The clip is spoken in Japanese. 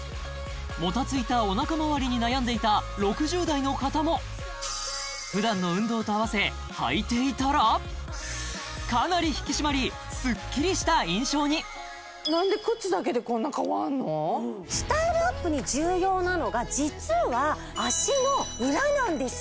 もたついたおなかまわりに悩んでいた６０代の方も普段の運動とあわせ履いていたらかなり引き締まりスッキリした印象にスタイルアップに重要なのが実は足の裏なんですよ